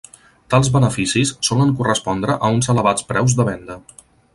Tals beneficis solen correspondre a uns elevats preus de venda.